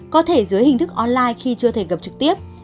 có thể dưới hình thức online khi chưa thể gặp trực tiếp